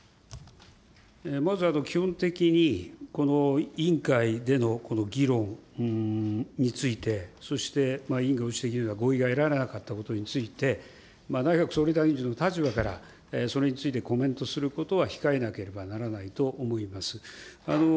まず、基本的に、この委員会での議論について、そして、委員ご指摘のならなかったことについて、内閣総理大臣の立場からそれについてコメントすることは控えなければならないと思います。